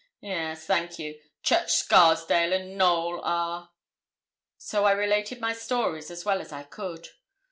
'Yes, thank you Church Scarsdale and Knowl are?' So I related my stories as well as I could.